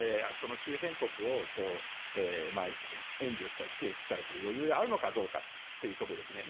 周辺国を援助したり支援したりする余裕があるのかどうかということです。